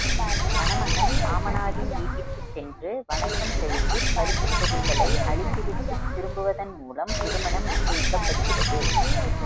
மணமகன் மாமனாரின் வீட்டிற்குச் சென்று, வணக்கம் செலுத்திப் பரிசுப் பொருள்களை அளித்துவிட்டுத் திரும்புவதன் மூலம் திருமணம் நிச்சயிக்கப்படுகிறது.